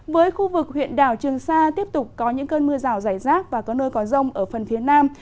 với khu vực huyện đảo trường sa tiếp tục có những cơn mưa rào rải rác và có nơi có rông ở phần phía nam